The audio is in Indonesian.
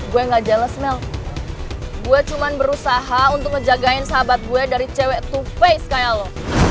gue gak jelas mel gue cuma berusaha untuk ngejagain sahabat gue dari cewek dua face kayak lo